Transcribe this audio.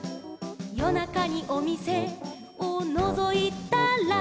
「よなかにおみせをのぞいたら」